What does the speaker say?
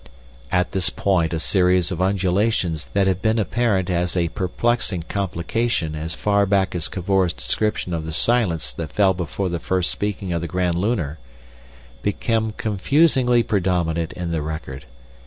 At this point a series of undulations that have been apparent as a perplexing complication as far back as Cavor's description of the silence that fell before the first speaking of the Grand Lunar become confusingly predominant in the record.